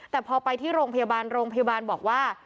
แต่พอไปที่โรงพยาบาลโรงพยาบาลบอกว่า